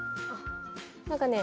何かね